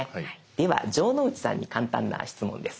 では城之内さんに簡単な質問です。